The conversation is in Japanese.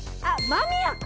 間宮君。